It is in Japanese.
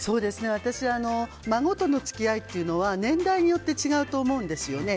私、孫との付き合いというのは年代によって違うと思うんですよね。